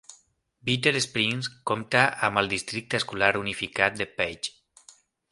Bitter Springs compta amb el districte escolar unificat de Page.